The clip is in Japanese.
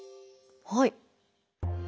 はい。